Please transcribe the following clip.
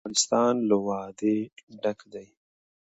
افغانستان له وادي ډک دی.